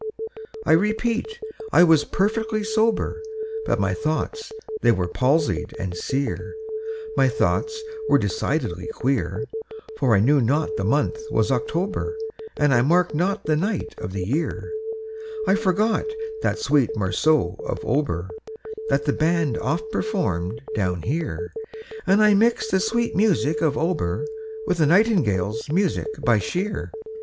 I repeat, I was perfectly sober, But my thoughts they were palsied and sear, My thoughts were decidedly queer; For I knew not the month was October, And I marked not the night of the year; I forgot that sweet morceau of Auber That the band oft performed down here, And I mixed the sweet music of Auber With the Nightingale's music by Shear.